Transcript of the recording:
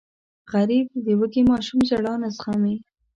غریب د وږې ماشوم ژړا نه زغمي